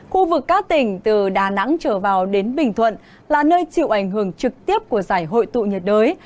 khu vực các tỉnh từ đà nẵng trở vào đến bình thuận là nơi chịu ảnh hưởng trực tiếp của giải hội tụ nhiệt đới